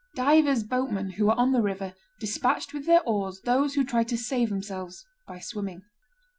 Divers boatmen who were on the river despatched with their oars those who tried to save themselves by swimming."